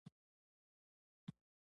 له احمده دې خدای موږ خلاص کړي.